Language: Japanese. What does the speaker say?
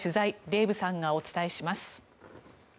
デーブさんがお伝えします。